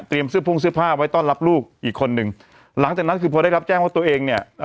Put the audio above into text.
เสื้อพุ่งเสื้อผ้าไว้ต้อนรับลูกอีกคนนึงหลังจากนั้นคือพอได้รับแจ้งว่าตัวเองเนี่ย